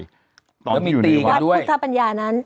แล้วมีตีกันด้วยตอนที่อยู่ในวัดพุทธปัญญานั้น